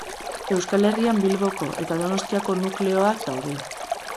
Euskal Herrian Bilboko eta Donostiako nukleoak daude.